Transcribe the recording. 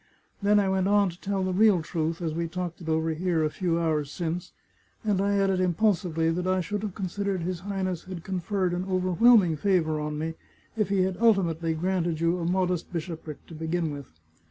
' Then I went on to tell the real truth, as we talked it over here a few hours since, and I added impulsively that I should have considered his Highness had conferred an overwhelming favour on me if he had ultimately granted you a modest bishopric to begin with.